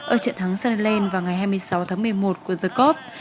ở trận thắng sunderland vào ngày hai mươi sáu tháng một mươi một của the cops